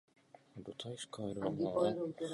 Na nástupišti je umístěna jeho busta.